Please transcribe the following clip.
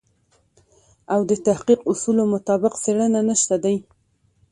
او د تحقیق اصولو مطابق څېړنه نشته دی.